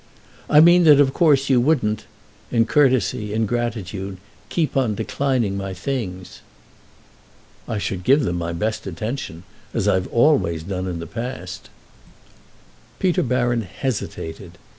"I mean that of course you wouldn't—in courtsey, in gratitude—keep on declining my things." "I should give them my best attention—as I've always done in the past." Peter Baron hesitated.